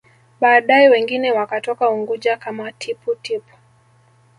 Baadae wengine wakatoka Unguja kama Tippu Tip